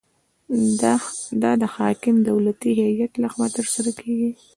دا د حاکم دولتي هیئت لخوا ترسره کیږي.